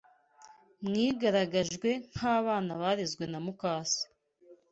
mwigaragaje nk’abana barezwe na mukase